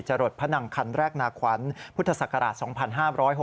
จรดพนังคันแรกนาขวัญพุทธศักราช๒๕๖๖